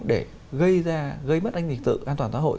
để gây ra gây mất anh nghịch tự an toàn xã hội